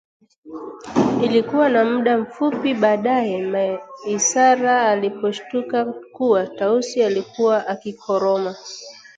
Ilikuwa na muda mfupi baadae Maisara aliposhtuka kuwa Tausi alikuwa akikoroma